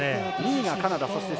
２位がカナダ。